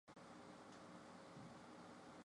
生长在山坡灌丛及高草丛中。